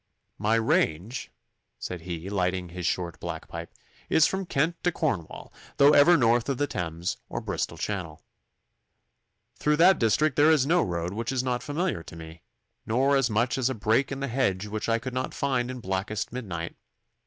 'My range,' said he, lighting his short, black pipe, 'is from Kent to Cornwall, though never north of the Thames or Bristol Channel. Through that district there is no road which is not familiar to me, nor as much as a break in the hedge which I could not find in blackest midnight.